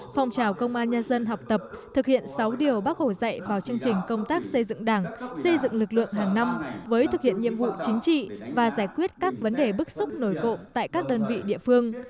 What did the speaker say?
phòng trào công an nhân dân học tập thực hiện sáu điều bác hồ dạy vào chương trình công tác xây dựng đảng xây dựng lực lượng hàng năm với thực hiện nhiệm vụ chính trị và giải quyết các vấn đề bức xúc nổi cộng tại các đơn vị địa phương